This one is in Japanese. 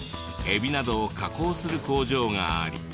エビなどを加工する工場があり。